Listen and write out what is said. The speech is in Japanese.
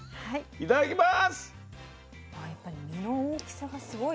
いただきます。